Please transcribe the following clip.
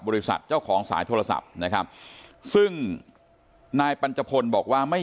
บริษัทเจ้าของสายโทรศัพท์นะครับซึ่งนายปัญจพลบอกว่าไม่